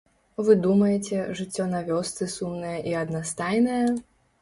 Вы думаеце, жыццё на вёсцы сумнае і аднастайнае?